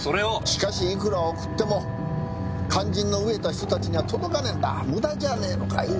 しかしいくら送っても肝心の飢えた人たちには届かねえんだ無駄じゃねえのかい？